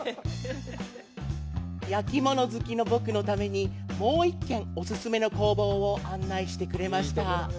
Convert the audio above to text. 焼き物好きの僕のためにもう一軒、お勧めの工房を案内してくれました。